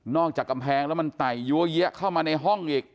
จากกำแพงแล้วมันไต่ยั้วเยี้ยเข้ามาในห้องอีก